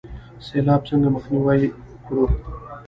سیلاب څنګه مخنیوی کړو؟